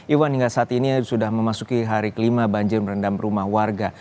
iwan hingga saat ini sudah memasuki hari kelima banjir merendam rumah warga